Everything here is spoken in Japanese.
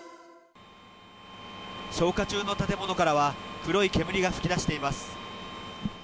消火中の建物からは、黒い煙が噴き出しています。